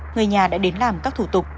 người nhà đã đến làm các thủ tục